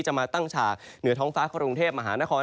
มาตั้งฉากเหนือท้องฟ้ากรุงเทพมหานคร